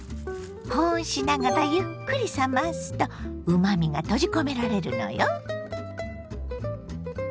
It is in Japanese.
保温しながらゆっくり冷ますとうまみが閉じ込められるのよ。